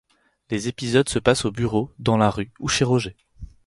Les épisodes se passent au bureau, dans la rue ou chez Roger.